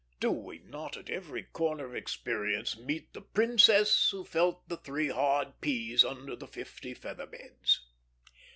Do we not at every corner of experience meet the princess who felt the three hard peas under the fifty feather beds?